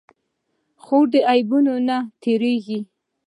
خور د عیبونو نه تېره کېږي.